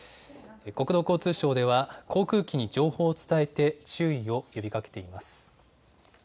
国土交通省では、航空機に情報を伝えて注意を呼びかけています。